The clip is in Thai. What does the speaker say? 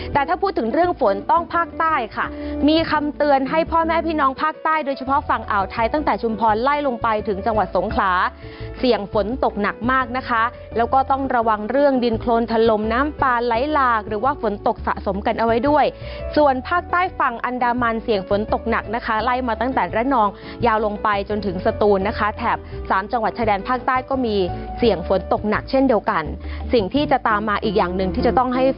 แต่ถ้าพูดถึงเรื่องฝนต้องฝากใต้ค่ะมีคำเตือนให้พ่อแม่พี่น้องฝากใต้โดยเฉพาะฝั่งอ่าวไทยตั้งแต่ชุมพรไล่ลงไปถึงจังหวัดสงขราเสี่ยงฝนตกหนักมากนะคะแล้วก็ต้องระวังเรื่องดินโครนทะลมน้ำปลาไล่ลากหรือว่าฝนตกสะสมกันเอาไว้ด้วยส่วนฝากใต้ฝั่งอันดามันเสี่ยงฝนตกหนักนะคะไล่มาตั้